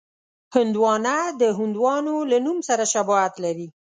هندوانه د هندوانو له نوم سره شباهت لري.